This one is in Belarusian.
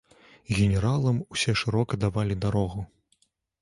Генералам усе шырока давалі дарогу.